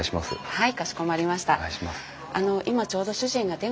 はい。